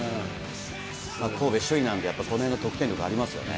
神戸、首位なんで、やっぱこのへんの得点力、ありますよね。